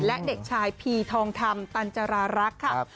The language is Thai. และเด็กชายพีทองธรรมตันจรารักษ์ครับ